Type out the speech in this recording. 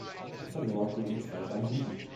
Er verlor gegen "Zwei Banditen".